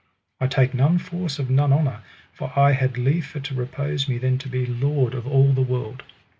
I take none force of none honour, for I had liefer to repose me than to be lord of all the world.